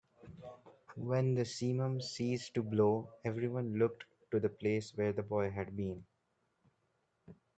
When the simum ceased to blow, everyone looked to the place where the boy had been.